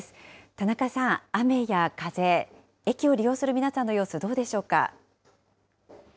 田中さん、雨や風、駅を利用する皆さんの様子、どうでしょうか？